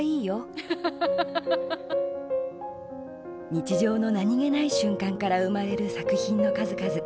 日常の何気ない瞬間から生まれる作品の数々。